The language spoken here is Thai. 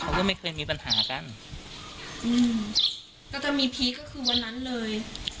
เขาก็ไม่เคยมีปัญหากันอืมก็ถ้ามีพีคก็คือวันนั้นเลย